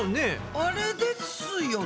あれですよね？